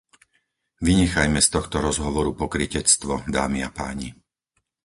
Vynechajme z tohto rozhovoru pokrytectvo, dámy a páni.